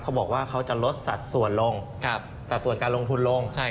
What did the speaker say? เขาบอกว่าเขาจะลดสัดส่วนลงสัดส่วนการลงทุนลง